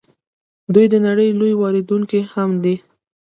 دوی د نړۍ لوی واردونکی هم دي.